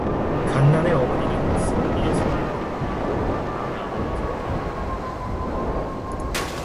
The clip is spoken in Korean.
간난의 어머니는 선비의 손을 붙들고 방 안으로 들어왔다.